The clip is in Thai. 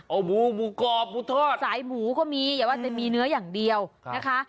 เอาหมูหมูกรอบหมูทอดสายหมูก็มีอย่าว่าจะมีเนื้ออย่างเดียวนะคะ